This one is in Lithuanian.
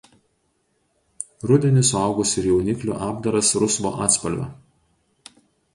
Rudenį suaugusių ir jauniklių apdaras rusvo atspalvio.